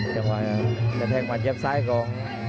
กระแทกมันเยี่ยมซ้ายกอง